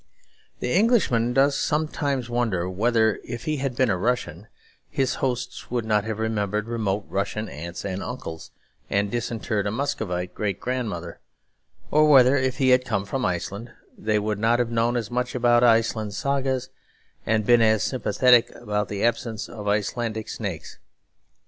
The Englishman does sometimes wonder whether if he had been a Russian, his hosts would not have remembered remote Russian aunts and uncles and disinterred a Muscovite great grandmother; or whether if he had come from Iceland, they would not have known as much about Icelandic sagas and been as sympathetic about the absence of Icelandic snakes.